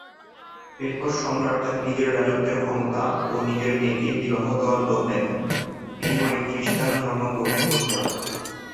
এরপর সম্রাট তাকে নিজের রাজত্বের ক্ষমতা ও নিজের মেয়েকে বিবাহ দেওয়ার লোভ দেখান, বিনিময়ে তাকে খ্রিষ্টান ধর্ম গ্রহণ করতে হবে।